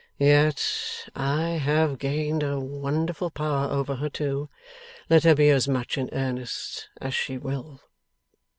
'Yet I have gained a wonderful power over her, too, let her be as much in earnest as she will!